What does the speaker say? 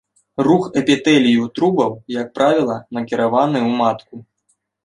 Рух эпітэлію трубаў, як правіла, накіраваны ў матку.